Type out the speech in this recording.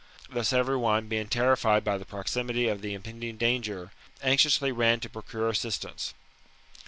Thus every one, being terrified by the proximity of the impending danger, anxiously ran to procure assistance.